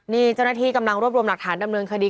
นี่เจ้าหน้าที่กำลังรวบรวมหลักฐานดำเนินคดี